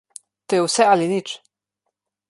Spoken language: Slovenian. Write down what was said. To je vse ali nič.